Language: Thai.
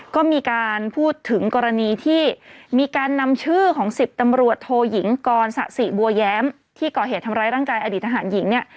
ก็มีการพูดถึงกรณีที่มีการนำชื่อของ๑๐ตำรวจโทยิงกรสะสิบัวแย้มที่ก่อเหตุทำร้ายร่างกายอดีตทหารหญิงเนี่ย